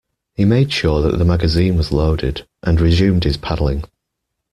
He made sure that the magazine was loaded, and resumed his paddling.